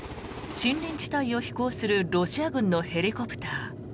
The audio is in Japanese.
森林地帯を飛行するロシア軍のヘリコプター。